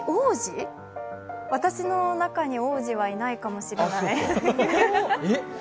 私の中に王子はいないかもしれない。